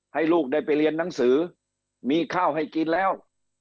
ให้ลูกได้ไปเรียนหนังสือมีข้าวให้กินแล้ว